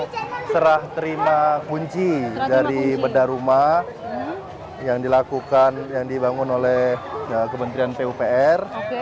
kita serah terima kunci dari bedah rumah yang dilakukan yang dibangun oleh kementerian pupr